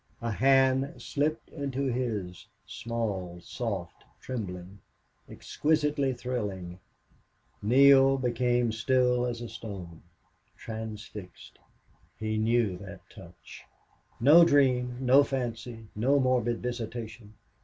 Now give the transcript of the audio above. A hand slipped into his small, soft, trembling, exquisitely thrilling. Neale became still as a stone transfixed. He knew that touch. No dream, no fancy, no morbid visitation!